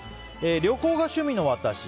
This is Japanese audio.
旅行が趣味の私。